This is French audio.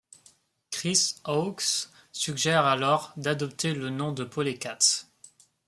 Chris Hawkes suggère alors d'adopter le nom de Polecats.